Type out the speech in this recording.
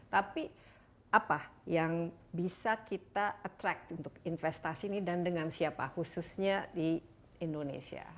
tapi apa yang bisa kita attract untuk investasi ini dan dengan siapa khususnya di indonesia